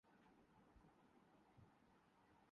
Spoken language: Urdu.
شاید کوئی محرم ملے ویرانئ دل کا